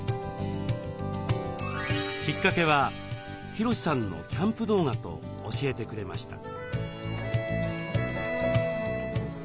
きっかけはヒロシさんのキャンプ動画と教えてくれました。